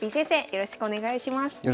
よろしくお願いします。